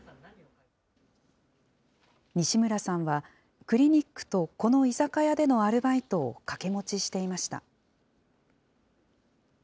西村さんは、クリニックとこの居酒屋でのアルバイトを掛け持ちしていました。